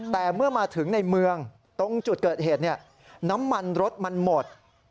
แต่เมื่อมาถึงในเมืองตรงจุดเกิดเหตุน้ำมันรถมันหมด